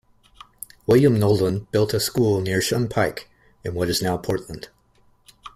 William Nolan built a school near Shun Pike in what is now Portland.